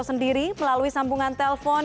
sendiri melalui sambungan telpon